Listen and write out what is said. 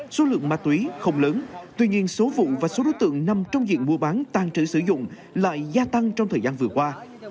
số lượng ma túy không lớn tuy nhiên số vụ và số đối tượng nằm trong diện mua bán tàn trữ sử dụng lại gia tăng trong thời gian vừa qua